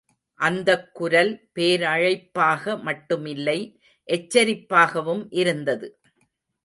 அந்தக்குரல் போரழைப்பாக மட்டுமில்லை எச்சரிப்பாகவும் இருந்தது.